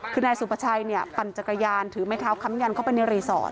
คือนายสุประชัยเนี่ยปั่นจักรยานถือไม้เท้าค้ำยันเข้าไปในรีสอร์ท